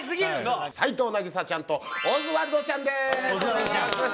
齊藤なぎさちゃんとオズワルドちゃんです。